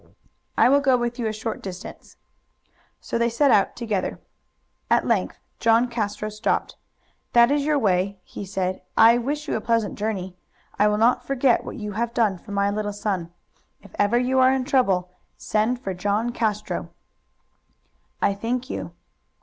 "I will go with you a short distance." So they set out together. At length John Castro stopped. "That is your way," he said. "I wish you a pleasant journey. I will not forget what you have done for my little son. If ever you are in trouble send for John Castro." "I thank you."